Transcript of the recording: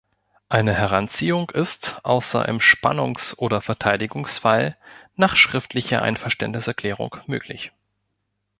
Eine Heranziehung ist, außer im Spannungs- oder Verteidigungsfall, nach schriftlicher Einverständniserklärung möglich.